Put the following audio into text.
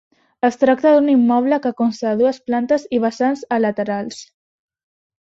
Es tracta d'un immoble que consta de dues plantes i vessants a laterals.